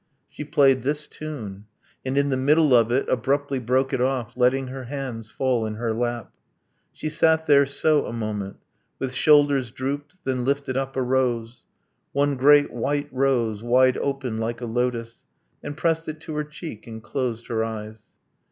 She played this tune. And in the middle of it Abruptly broke it off, letting her hands Fall in her lap. She sat there so a moment, With shoulders drooped, then lifted up a rose, One great white rose, wide opened like a lotos, And pressed it to her cheek, and closed her eyes.